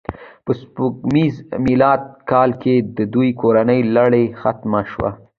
په سپوږمیز میلادي کال کې د دې کورنۍ لړۍ ختمه شوه.